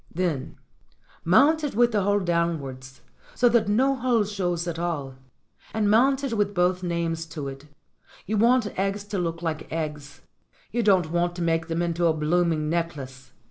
"Then mount it with the hole downwards, so that ho hole shows at all. And mount it with both names to it. You want eggs to look like eggs. You don't want to make them into a blooming necklace.